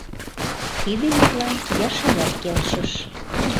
Тиде мутлан Яшаят келшыш.